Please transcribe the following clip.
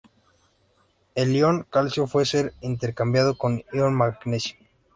El ion calcio puede ser intercambiado con ion magnesio.